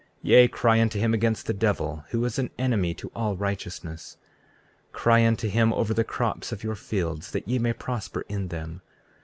34:23 Yea, cry unto him against the devil, who is an enemy to all righteousness. 34:24 Cry unto him over the crops of your fields, that ye may prosper in them.